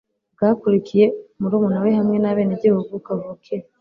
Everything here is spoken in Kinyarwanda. bwakurikiye murumuna we hamwe nabenegihugu kavukire